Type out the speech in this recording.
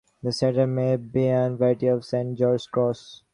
The saltire may have been a variation of the Saint George's Cross.